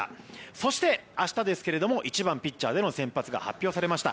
そして、明日１番ピッチャーでの先発が発表されました。